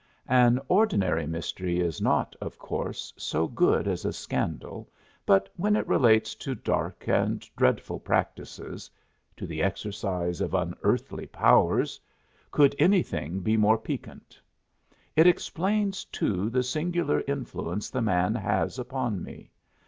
An ordinary mystery is not, of course, so good as a scandal, but when it relates to dark and dreadful practices to the exercise of unearthly powers could anything be more piquant? It explains, too, the singular influence the man has upon me.